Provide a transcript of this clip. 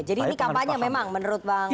jadi ini kampanye memang menurut bang rey